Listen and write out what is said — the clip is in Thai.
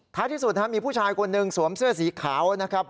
ที่สุดมีผู้ชายคนหนึ่งสวมเสื้อสีขาวนะครับ